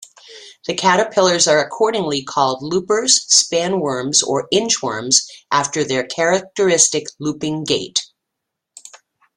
The caterpillars are accordingly called loopers, spanworms, or inchworms' after their characteristic looping gait.